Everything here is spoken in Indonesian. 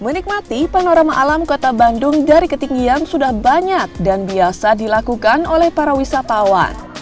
menikmati panorama alam kota bandung dari ketinggian sudah banyak dan biasa dilakukan oleh para wisatawan